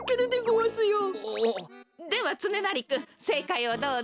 おおっではつねなりくんせいかいをどうぞ！